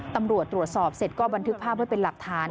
ตำรวจตรวจสอบเสร็จก็บันทึกภาพไว้เป็นหลักฐาน